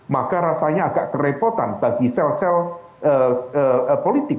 maka rasanya agak kerepotan bagi sel sel politik